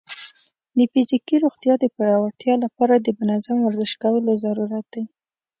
د فزیکي روغتیا د پیاوړتیا لپاره د منظم ورزش کولو ضرورت دی.